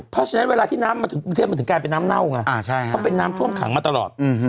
เพราะฉะนั้นเวลาที่น้ำมาถึงกรุงเทพมันถึงกลายเป็นน้ำเน่าไงเพราะเป็นน้ำท่วมขังมาตลอด